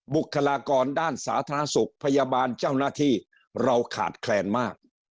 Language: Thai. บุคลากรด้านสาธารณสุขพยาบาลเจ้าหน้าที่เราขาดแคลนมาก